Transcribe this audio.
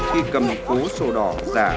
khi cầm một cú sổ đỏ giả